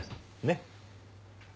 ねっ？